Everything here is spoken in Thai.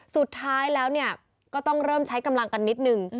สุดท้ายแล้วก็ต้องเริ่มใช้กำลังกันนิดนึง